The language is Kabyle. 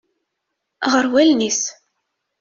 Ɣer wallen-is.